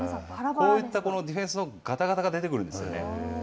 こういったディフェンスのがたがたが出てくるんですよね。